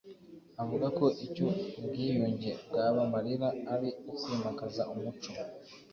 Avuga ko icyo ubwiyunge bwabamarira ari ukwimakaza umuco